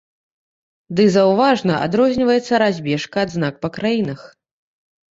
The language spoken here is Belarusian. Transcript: Ды заўважна адрозніваецца разбежка адзнак па краінах.